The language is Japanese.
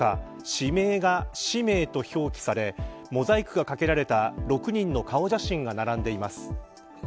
指名が氏名と表記されモザイクがかけられた６人の顔写真が並んでいます。